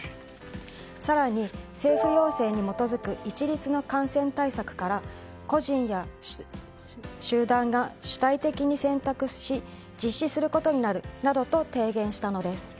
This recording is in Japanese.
更に政府要請に基づく一律の感染対策から個人や集団が主体的に選択し実施することになるなどと提言したのです。